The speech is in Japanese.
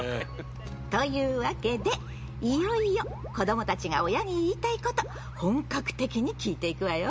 というわけでいよいよ子どもたちが親に言いたいこと本格的に聞いていくわよ！